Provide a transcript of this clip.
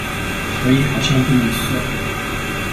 所以好像不能算